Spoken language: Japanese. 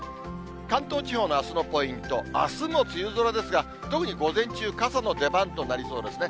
関東地方のあすのポイント、あすも梅雨空ですが、特に午前中、傘の出番となりそうですね。